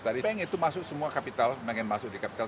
dari bank itu masuk semua kapital pengen masuk di kapital